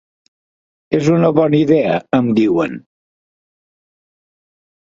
És una bona idea, em diuen.